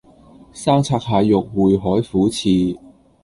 生拆蟹肉燴海虎翅